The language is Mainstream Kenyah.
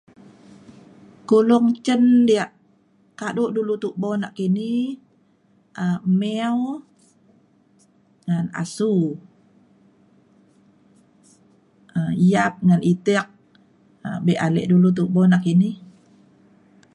Kulung cen dia' kadu' dulu tubo yak kini um mew ngan asu' um yap ngan itiek um be ale dulu tubo yak kini.